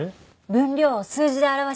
分量を数字で表し